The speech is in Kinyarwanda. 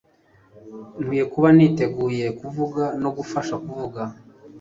Nkwiye kuba niteguye kuvuga no kugufasha kuvuga